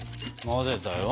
混ぜたよ。